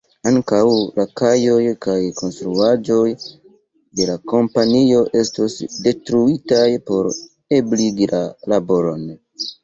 Ankaŭ la kajoj kaj konstruaĵoj de la kompanio estos detruitaj por ebligi la laboron.